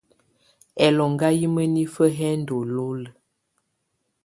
Ɛlɔŋgá yɛ́ mǝ́nifǝ́ yɛ́ ndɔ́ lulǝ́.